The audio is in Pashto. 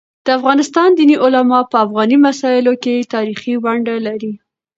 د افغانستان دیني علماء په افغاني مسايلو کيتاریخي ونډه لري.